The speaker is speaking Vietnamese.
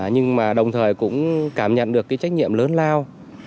nhưng mà đồng thời cũng cảm nhận được cái trách nhiệm lớn lao